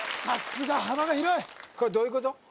さすが幅が広いこれどういうこと？